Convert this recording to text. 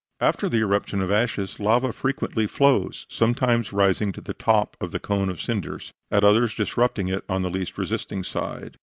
After the eruption of ashes, lava frequently follows, sometimes rising to the top of the cone of cinders, at others disrupting it on the least resisting side.